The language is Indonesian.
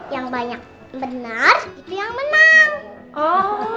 yang banyak benar itu yang menang oh